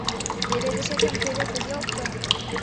Леведышетым теве тыге опто.